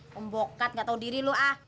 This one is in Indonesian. pembokat gak tau diri lo ah